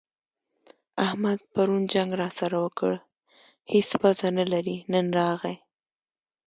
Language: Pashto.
احمد پرون جنګ راسره وکړ؛ هيڅ پزه نه لري - نن راغی.